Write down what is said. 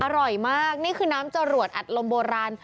อร่อยมากนี่คือน้ำจรวดอัดลมโบราณ